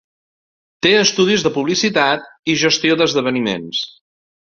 Té estudis de publicitat i gestió d'esdeveniments.